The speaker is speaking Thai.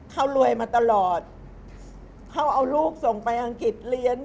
เขารวยมาตลอดเขาเอาลูกส่งไปอังกฤษเรียน